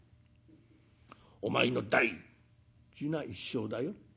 お前の大事な一生だよ。